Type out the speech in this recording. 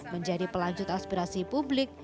menjadi pelanjut aspirasi publik